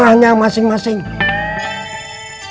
antimahityah resimimul lagi